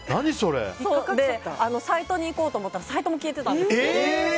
サイトに行こうと思ったらサイトも消えてたんですよ。